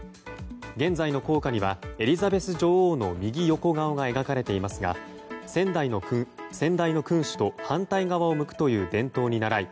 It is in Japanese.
現在の硬貨にはエリザベス女王の右横顔が描かれていますが先代の君主と反対側を向くという伝統に倣い